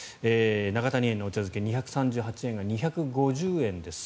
永谷園のお茶づけ２３８円が２５０円です。